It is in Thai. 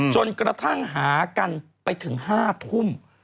จนกระทั่งหากันไปถึง๕ทุ่ม